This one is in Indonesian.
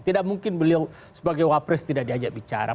tidak mungkin beliau sebagai wakil presiden tidak diajak bicara